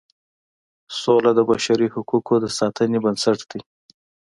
سوله د بشري حقوقو د ساتنې بنسټ دی.